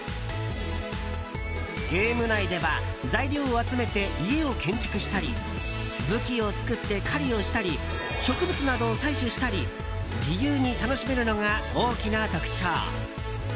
ゲーム内では材料を集めて家を建築したり武器を作って狩りをしたり植物などを採取したり自由に楽しめるのが大きな特徴。